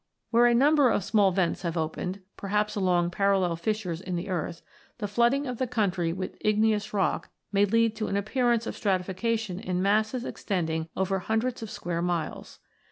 Where a number of small vents have opened, perhaps along parallel fissures in the earth, the flooding of v] IGNEOUS ROCKS 115 the country with igneous rock may lead to an ap pearance of stratification in masses extending over hundreds of square miles.